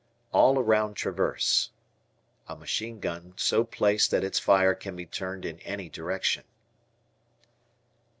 "All around traverse." A machine gun so placed that its fire can be turned in any direction.